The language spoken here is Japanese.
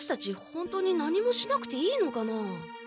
ほんとに何もしなくていいのかなあ？